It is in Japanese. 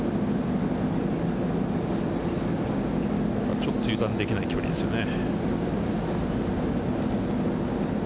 ちょっと油断できない距離ですよね。